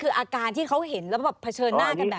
คืออาการที่เขาเห็นแล้วแบบเผชิญหน้ากันแบบ